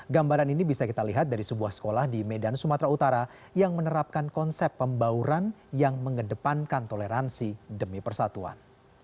gambaran ini bisa kita lihat dari sebuah sekolah di medan sumatera utara yang menerapkan konsep pembauran yang mengedepankan toleransi demi persatuan